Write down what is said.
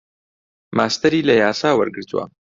ماستەری لە یاسا وەرگرتووە.